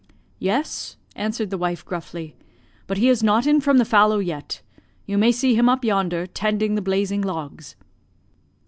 "'Yes,' answered the wife gruffly. 'But he is not in from the fallow yet you may see him up yonder tending the blazing logs.'